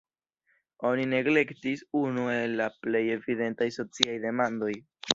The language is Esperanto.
Oni neglektis unu el la plej evidentaj sociaj demandoj.